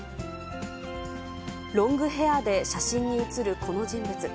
ロングヘアで写真に写るこの人物。